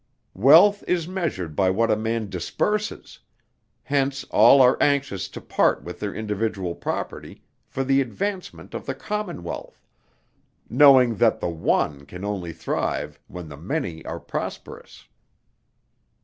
Wealth is measured by what a man disburses; hence all are anxious to part with their individual property for the advancement of the commonwealth, knowing that the one can only thrive when the many are prosperous."